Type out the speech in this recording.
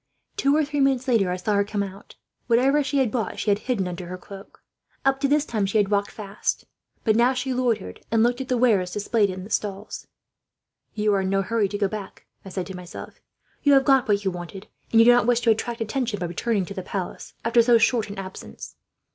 "Two or three minutes later, I saw her come out. Whatever she had bought, she had hidden it under her cloak. Up to this time she had walked fast, but she now loitered, and looked at the wares displayed on the stalls. "'You are in no hurry to go back,' I said to myself. 'You have got what you wanted, and you do not wish to attract attention, by returning to the palace after so short an absence.'